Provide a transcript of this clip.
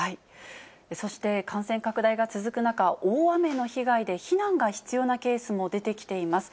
そして、感染拡大が続く中、大雨の被害で避難が必要なケースも出てきています。